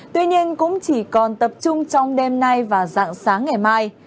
tuy nhiên cũng chỉ còn tập trung trong đêm nay và dạng sáng ngày mai